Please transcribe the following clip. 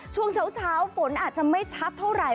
ช่วงเช้าฝนอาจจะไม่ชัดเท่าไหร่